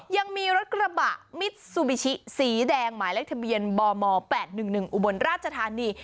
ยังมีรถกระบะมิดซูบิชิสีแดงหมายเลขทะเบียนบม๘๑๑อุบลราชธานี